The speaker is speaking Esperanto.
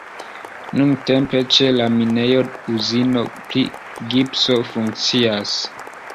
Nuntempe ĉe la minejo uzino pri gipso funkcias.